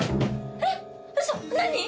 えっ嘘何！？